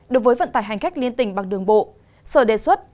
đối với vận tải hành khách liên tỉnh bằng đường bộ sở đề xuất